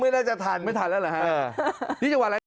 ไม่น่าจะทันไม่ทันแล้วหรือฮะนี่จะว่าอะไร